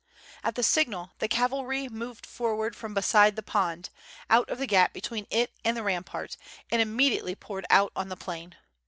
At the signal the cavalry moved forward from beside the pond, out of the gap between it and the rampart, and im mediately poured out on the plain.